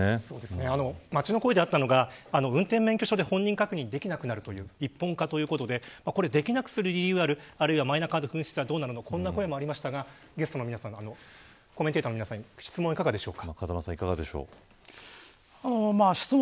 街の声であったのが運転免許証で本人確認ができなくなるという一本化ということでできなくする理由があるマイナカードを紛失したらどうなのかこんな声もありましたがゲストの皆さんは質問いかがでしょうか。